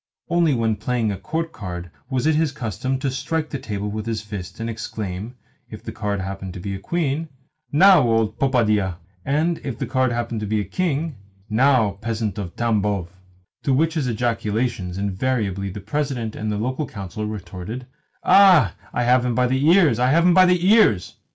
Only when playing a court card was it his custom to strike the table with his fist, and to exclaim (if the card happened to be a queen), "Now, old popadia !" and (if the card happened to be a king), "Now, peasant of Tambov!" To which ejaculations invariably the President of the Local Council retorted, "Ah, I have him by the ears, I have him by the ears!"